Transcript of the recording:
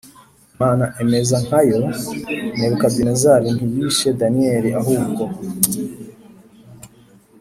Mana imeze nka yo Nebukadinezari ntiyishe Daniyeli ahubwo